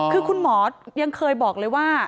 คือคุณหมอยังเคยบอกเลยว่า